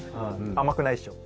甘くないっしょ？